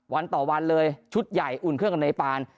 วันต่อวันเลยชุดใหญ่อุ่นเครื่องกับนายปาน